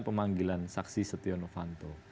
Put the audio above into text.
pemanggilan saksi setia novanto